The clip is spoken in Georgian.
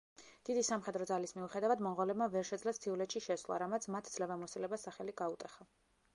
დიდი სამხედრო ძალის მიუხედავად მონღოლებმა ვერ შეძლეს მთიულეთში შესვლა, რამაც მათ ძლევამოსილებას სახელი გაუტეხა.